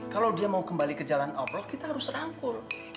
kalau dia mau kembali ke jalan allah kita harus rangkul